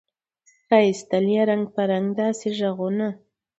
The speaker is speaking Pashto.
را ایستل یې رنګ په رنګ داسي ږغونه